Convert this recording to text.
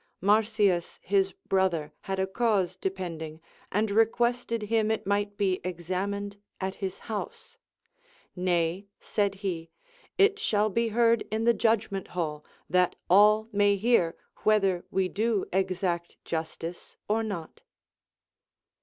Marsyas his brother had a cause de pending, and requested him it might be examined at his house. Nay, said he, it shall be heard in the judgment hall, that all may hear whether we do exact justice or not.